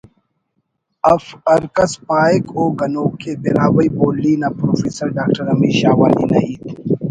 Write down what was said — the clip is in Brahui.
اف…… ہر کس پاہک او گنوکءِ…… براہوئی بولی نا پروفیسر ڈاکٹر حمید شاہوانی نا ہیت